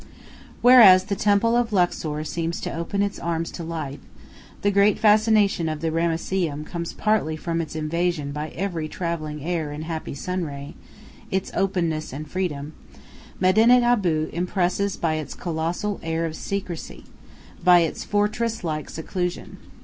Whereas the temple of Luxor seems to open its arms to life, and the great fascination of the Ramesseum comes partly from its invasion by every traveling air and happy sun ray, its openness and freedom, Medinet Abu impresses by its colossal air of secrecy, by its fortress like seclusion.